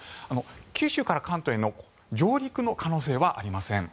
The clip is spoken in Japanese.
九州から関東への上陸の可能性はありません。